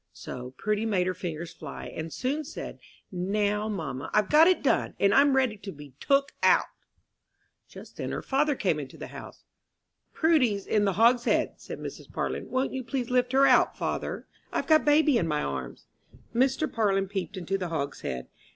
So Prudy made her fingers fly, and soon said, "Now, mamma, I've got it done, and I'm ready to be took out!" Just then her father came into the house. "Prudy's in the hogshead," said Mrs. Parlin. "Won't you please lift her out, father? I've got baby in my arms." Mr. Parlin peeped into the hogshead.